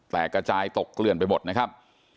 กระจายตกเกลื่อนไปหมดนะครับ